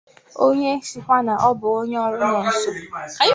onye sịkwa na ọ bụ onye ọrụ nọọsụ